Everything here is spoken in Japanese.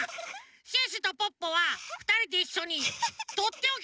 シュッシュとポッポはふたりでいっしょにとっておきのだしものをやります！